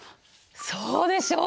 そうでしょう！